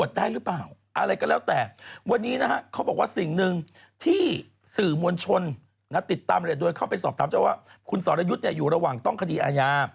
ติดตามอย่างแรงโดยเข้าไปสอบถามว่าคุณศรยุทธ์อยู่ระหว่างต้องคดีอาญา